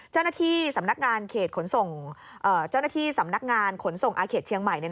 เจ้าหน้าที่สำนักงานขนส่งอาเขตเชียงใหม่